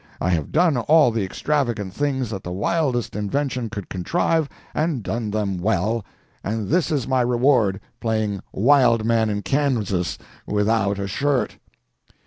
I have done all the extravagant things that the wildest invention could contrive, and done them well, and this is my reward playing Wild Man in Kansas without a shirt!"